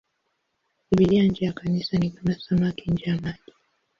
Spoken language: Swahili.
Biblia nje ya Kanisa ni kama samaki nje ya maji.